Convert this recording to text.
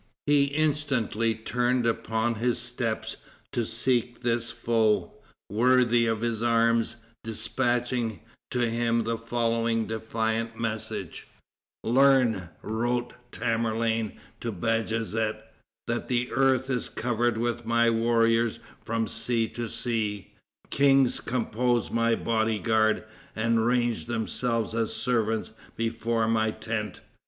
He instantly turned upon his steps to seek this foe, worthy of his arms, dispatching to him the following defiant message: "Learn," wrote Tamerlane to Bajazet, "that the earth is covered with my warriors from sea to sea. Kings compose my body guard, and range themselves as servants before my tent.